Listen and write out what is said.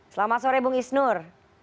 selamat sore bung isnur